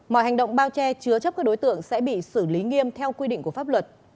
mọi hành động bao che chứa chấp các đối tượng sẽ bị xử lý nghiêm theo quy định của pháp luật